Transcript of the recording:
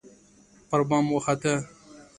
پربام وخته